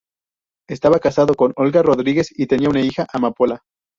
Estaba casado con Olga Rodríguez y tenía una hija, Amapola.